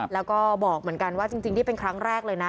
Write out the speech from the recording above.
แล้วก็บอกเหมือนกันว่าจริงนี่เป็นครั้งแรกเลยนะ